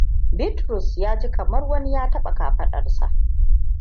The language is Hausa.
Bitrus ya ji kamar wani ya taɓa kafadar sa.